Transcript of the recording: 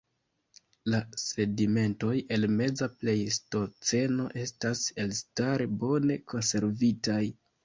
La sedimentoj el meza plejstoceno estas elstare bone konservitaj.